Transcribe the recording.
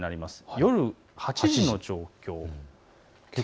夜８時の状況。